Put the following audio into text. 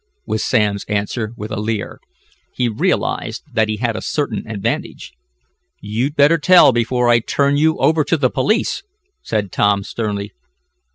was Sam's answer, with a leer. He realized that he had a certain advantage. "You'd better tell before I turn you over to the police!" said Tom, sternly.